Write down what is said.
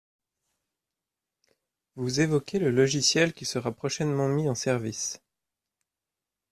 Vous évoquez le logiciel qui sera prochainement mis en service.